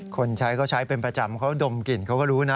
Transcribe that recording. คนใช้ก็ใช้เป็นประจำเขาดมกลิ่นเขาก็รู้นะ